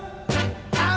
aku seeing you